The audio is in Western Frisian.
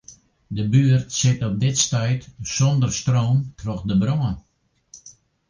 De buert sit op dit stuit sûnder stroom troch de brân.